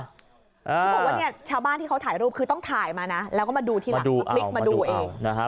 เขาบอกว่าเนี่ยชาวบ้านที่เขาถ่ายรูปคือต้องถ่ายมานะแล้วก็มาดูทีหลังแล้วพลิกมาดูเองนะฮะ